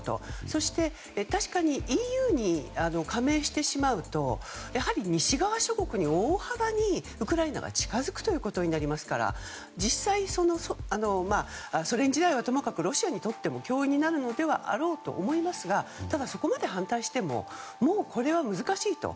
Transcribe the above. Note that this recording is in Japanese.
そして、確かにＥＵに加盟してしまうとやはり西側諸国に大幅にウクライナが近づくことになりますから実際、ソ連時代はともかくロシアにとっても脅威になるのではあろうと思いますがただ、そこまで反対してもこれは難しいと。